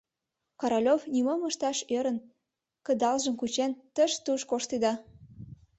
Королёв, нимом ышташ ӧрын, кыдалжым кучен, тыш-туш коштеда.